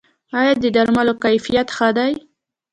آیا د درملو کیفیت ښه دی؟